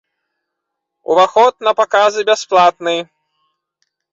Уваход на паказы бясплатны.